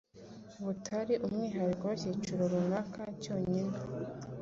butari umwihariko w’ikiciro runaka cyonyine.